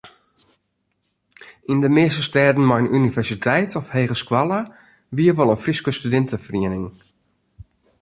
Yn de measte stêden mei in universiteit of hegeskoalle wie wol in Fryske studinteferiening.